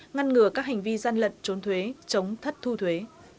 ngăn ngừa các hành vi gian lận trốn thuế chống thất thu thuế